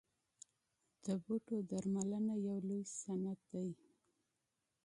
د بوټو درملنه یو لوی صنعت دی